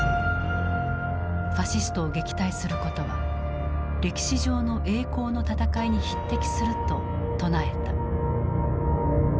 ファシストを撃退することは歴史上の栄光の戦いに匹敵すると唱えた。